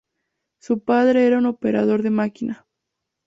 Su padre era un operador de máquina.